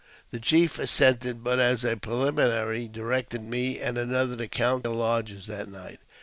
The chief assented ; but, as a preliminary, directed me and another to count their lodges that night.